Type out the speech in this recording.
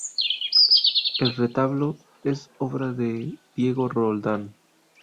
El retablo es obra de Diego Roldán.